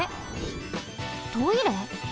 トイレ？